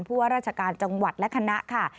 ว่าราชการจังหวัดและคณะค่ะ